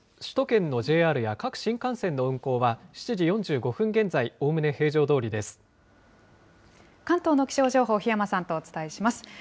首都圏のＪＲや各新幹線の運行は、７時４５分現在、関東の気象情報、檜山さんとお伝えします。